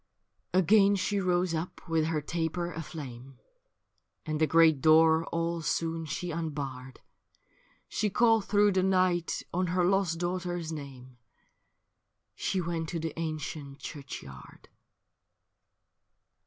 Again she rose up with her taper aflame, And the great door all soon she unbarred ; She called through the night on her lost daughter's name. She went to the ancient churchyard.